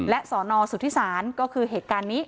และสอนอสุทธิศาลก็คือเหตุการณ์นี้